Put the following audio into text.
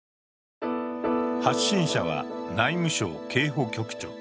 発信者は内務省警保局長。